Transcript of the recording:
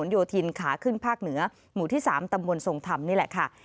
โยธินขาขึ้นภาคเหนือหมู่ที่๓ตำบลทรงธรรมนี่แหละค่ะ